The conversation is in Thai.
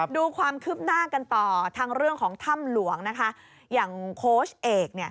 ดูความคืบหน้ากันต่อทั้งเรื่องของถ้ำหลวงนะคะอย่างโค้ชเอก